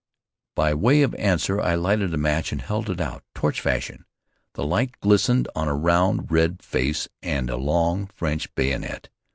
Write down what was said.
By way of answer I lighted a match and held it out, torch fashion. The light glistened on a round, red face and a long French bayonet.